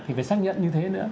thì phải xác nhận như thế nữa